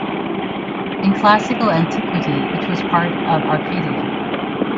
In classical antiquity, it was part of Arcadia.